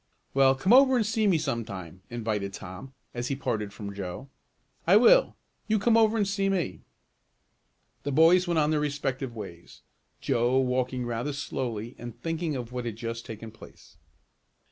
"Well, come over and see me sometime," invited Tom, as he parted from Joe. "I will. You come over and see me." The boys went their respective ways Joe walking rather slowly and thinking of what had just taken place.